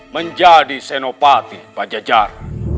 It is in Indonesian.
menjadi senopati pajajar